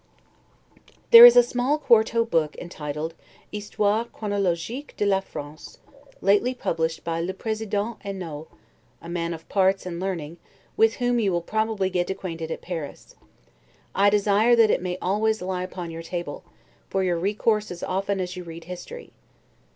There is a small quarto book entitled, 'Histoire Chronologique de la France', lately published by Le President Henault, a man of parts and learning, with whom you will probably get acquainted at Paris. I desire that it may always lie upon your table, for your recourse as often as you read history.